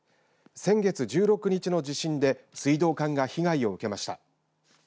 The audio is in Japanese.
先月１６日の地震で水道管が被害を受けました。